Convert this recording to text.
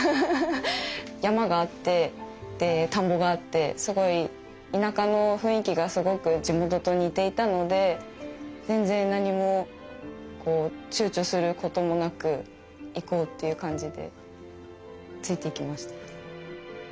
山があってで田んぼがあってすごい田舎の雰囲気がすごく地元と似ていたので全然何もこう躊躇することもなく行こうっていう感じでついていきました。